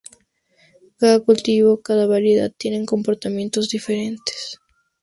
Cada cultivo, cada variedad tienen comportamientos diferentes.